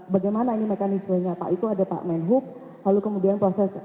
bagaimana ini mekanismenya pak itu ada pak menhub lalu kemudian proses